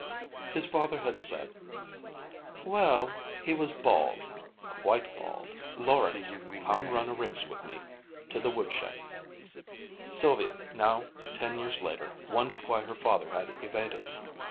His father had said, "Well, he was bald quite bald Lawrence, come run a race with me to the woodshed." Sylvia now, ten years later, wondered why her father had evaded.